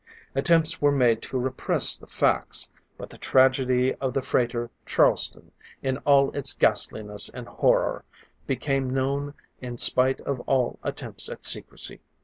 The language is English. Attempts were made to repress the facts: but the tragedy of the freighter, Charleston, in all its ghastliness and horror, became known in spite of all attempts at secrecy.